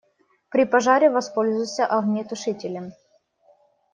При пожаре воспользуйся огнетушителем.